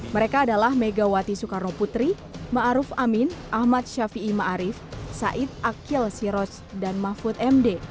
mereka adalah megawati soekarno putri ma'ruf amin ahmad syafiee ma'arif said akil sirot dan mahfud md